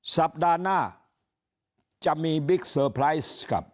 สัปดาห์หน้าจะมีบิ๊กเซอร์ไพรส์กับ